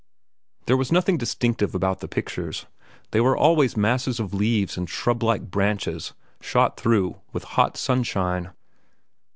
There was nothing distinctive about the pictures. They were always masses of leaves and shrub like branches shot through with hot sunshine.